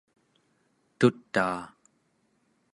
tutaa